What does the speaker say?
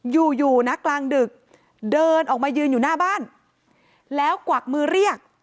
อยู่อยู่นะกลางดึกเดินออกมายืนอยู่หน้าบ้านแล้วกวักมือเรียก